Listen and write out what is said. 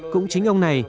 cũng chính ông này